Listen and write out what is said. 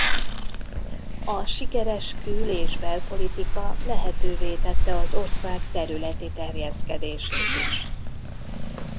A sikeres kül- és belpolitika lehetővé tette az ország területi terjeszkedését is.